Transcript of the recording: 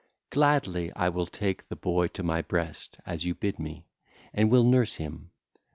Gladly will I take the boy to my breast, as you bid me, and will nurse him.